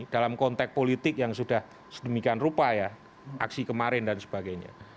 dalam konteks politik yang sudah sedemikian rupa ya aksi kemarin dan sebagainya